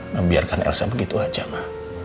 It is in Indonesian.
membiarkan elsa begitu aja mah